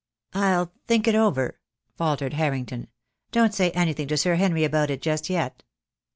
"I'll think it over," faltered Harrington. "Don't say anything to Sir Henry about it just yet."